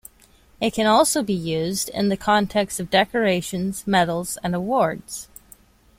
It can also be used in the context of decorations, medals and awards.